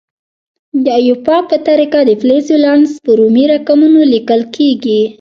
د ایوپاک په طریقه د فلز ولانس په رومي رقمونو لیکل کیږي.